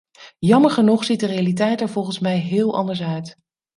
Jammer genoeg ziet de realiteit er volgens mij heel anders uit.